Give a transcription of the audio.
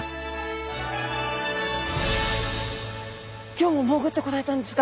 今日も潜ってこられたんですか？